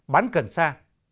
bán cần xa